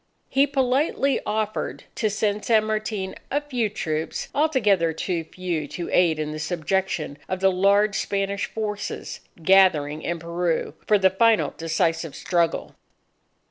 He politely offered to lend San Martin a few troops, altogether too few to aid in the subjection of the large Spanish forces gathering in Peru for the final decisive struggle.